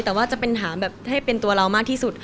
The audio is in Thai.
แต่ว่าจะเป็นถามแบบให้เป็นตัวเรามากที่สุด